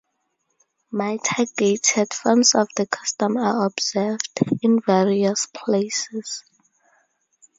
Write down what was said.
Mitigated forms of the custom are observed in various places.